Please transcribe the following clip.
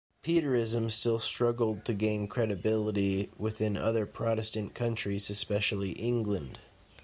Preterism still struggled to gain credibility within other Protestant countries, especially England.